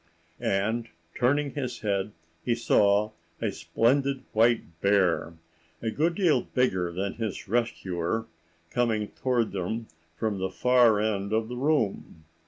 And turning his head, he saw a splendid white bear, a good deal bigger than his rescuer, coming toward them from the far end of the room.